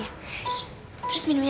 terus minumnya minumnya bener